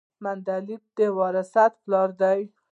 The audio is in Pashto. مندل د وراثت پلار دی